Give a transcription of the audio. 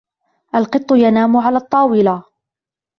القط ينام على الطاولة.